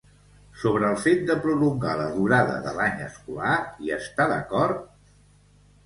Sobre el fet de prolongar la durada de l'any escolar, hi està d'acord?